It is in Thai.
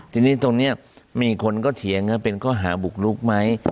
ทีนี้ตรงนี้มีคนก็เถียงว่าเป็นข้อหาบุกลุกไหม